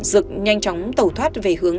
rực nhanh chóng tẩu thoát về hướng